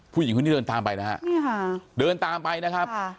ผู้หญิงคนนี้เดินตามไปนะฮะนี่ค่ะเดินตามไปนะครับ